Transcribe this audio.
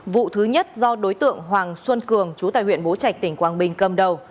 vụ thứ nhất do đối tượng hoàng xuân cường chú tại huyện bố trạch tỉnh quảng bình cầm đầu